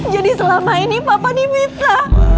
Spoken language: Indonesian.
jadi selama ini bapak ini bisa